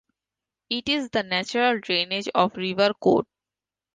It is the natural drainage of River Cote.